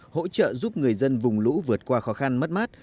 hỗ trợ giúp người dân vùng lũ vượt qua khó khăn mất mát